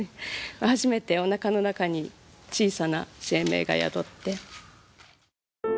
初めてお腹の中に小さな生命が宿って。